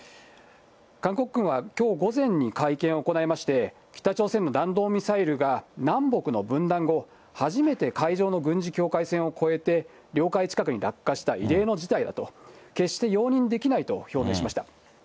韓国軍はきょう午前に会見を行いまして、北朝鮮の弾道ミサイルが、南北の分断後、初めて海上の軍事境界線を越えて、領海近くに落下した異例の事態だと、決して容認できないと表明しました。